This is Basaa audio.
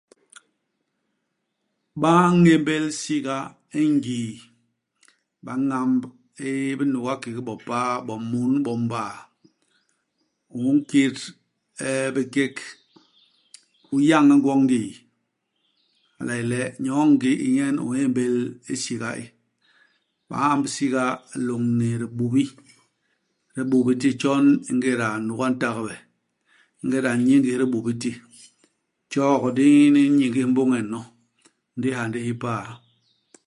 Ba ñémbél siga i ngii. Ba ñamb ibinuga kiki bo paa, bo mun, bo mbaa. U nkit eeh bikék. U yañ gwo i ngii. Hala a yé le nyoo i ngii i nyen u ñémbél isiga i. Ba ñamb siga lôñni dibubi. Idibubi ti, tjon ingéda nuga i ntagbe, ingéda a nyingis idibubi ti, tjok di nyingis mbôñe nyono. Ndi i hyandi hi pa'a.